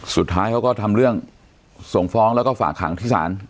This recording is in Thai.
สุดท้ายเขาก็ทำเรื่องส่งฟ้องแล้วก็ฝากขังที่ศาล